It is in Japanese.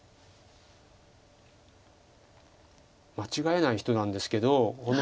間違えない人なんですけど。